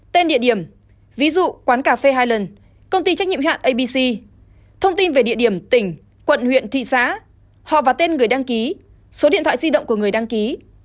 tên địa điểm ví dụ quán cà phê hai lần công ty trách nhiệm hạn abc thông tin về địa điểm tỉnh quận huyện thị xã họ và tên người đăng ký số điện thoại di động của người đăng ký